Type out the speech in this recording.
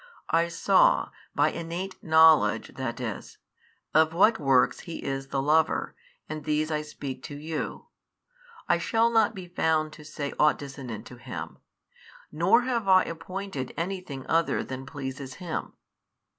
I saw, by innate knowledge that is, of what works He is the Lover, and these I speak to you, I shall not be found to say ought dissonant to Him, nor have I appointed any thing other than pleases Him.